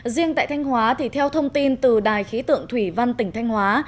riêng tại thanh hóa thì theo thông tin từ đài khí tượng thủy văn tỉnh thanh hóa